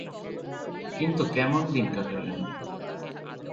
কিন্তু, কেমন দিন কাটালেন?